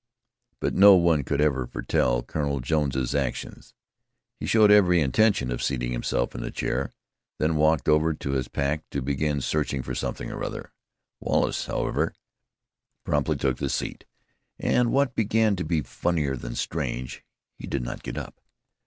But no one could ever foretell Colonel Jones's actions. He showed every intention of seating himself in the chair, then walked over to his pack to begin searching for something or other. Wallace, however, promptly took the seat; and what began to be funnier than strange, he did not get up.